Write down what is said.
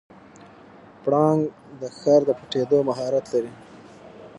پړانګ د ښکار د پټیدو مهارت لري.